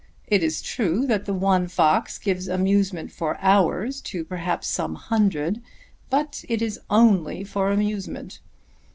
It is true that the one fox gives amusement for hours to perhaps some hundred; but it is only for amusement.